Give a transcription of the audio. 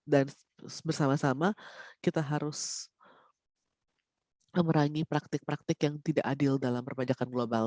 dan bersama sama kita harus memerangi praktik praktik yang tidak adil dalam perpajakan global